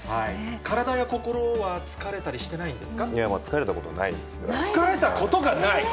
体や心は疲れたりしてないんいや、まあ、疲れたことない疲れたことがない？